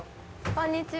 こんにちは。